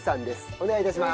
お願い致します。